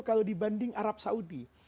kalau dibanding arab saudi